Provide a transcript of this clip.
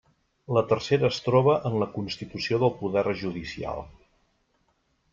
La tercera es troba en la constitució del poder judicial.